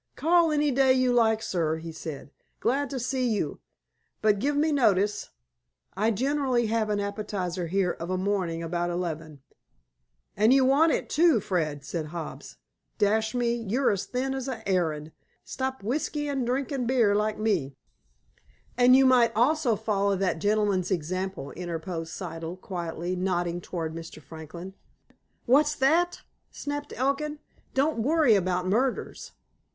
"Call any day you like, sir," he said. "Glad to see you. But give me notice. I generally have an appetizer here of a morning about eleven." "An' you want it, too, Fred," said Hobbs. "Dash me, you're as thin as a herrin'. Stop whiskey an' drink beer, like me." "And you might also follow that gentleman's example," interposed Siddle quietly, nodding towards Mr. Franklin. "What's that?" snapped Elkin. "Don't worry about murders."